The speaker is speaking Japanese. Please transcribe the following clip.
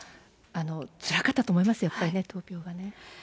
つらかったと思いますよ、やはり闘病はね。